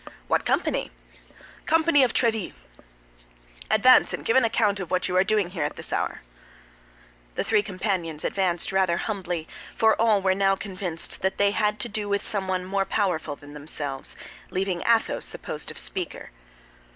"What company?" "Company of Tréville." "Advance, and give an account of what you are doing here at this hour." The three companions advanced rather humbly—for all were now convinced that they had to do with someone more powerful than themselves—leaving Athos the post of speaker.